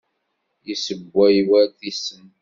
Yessewway war tisent.